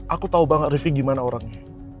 aku tahu banget rifki gimana orangnya